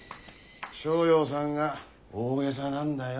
翔洋さんが大げさなんだよ。